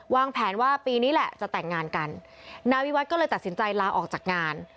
วางแผนว่าปีนี้แหละจะแต่งงานกันนายวิวัตรก็เลยตัดสินใจลาออกจากงาน